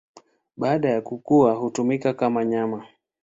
Baada ya kukua hutumika kama nyama.